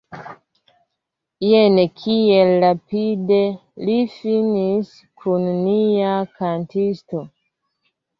Jen kiel rapide li finis kun nia kantisto!